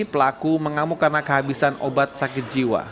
pelaku mengamuk karena kehabisan obat sakit jiwa